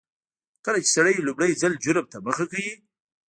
کله چې سړی لومړي ځل جرم ته مخه کوي.